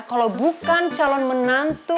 kalau bukan calon menantu